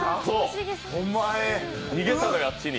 逃げたのよ、あっちに。